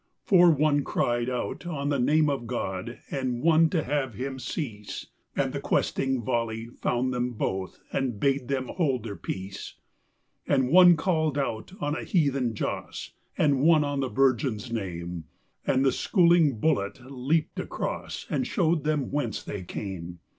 For one cried out on the name of God, and one to have him cease; And the questing volley found them both and bade them hold their peace. And one called out on a heathen joss and one on the Virgin's Name; And the schooling bullet leaped across and showed them whence they came.